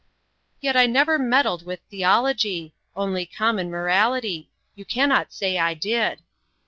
"Yet I never meddled with theology only common morality. You cannot say I did."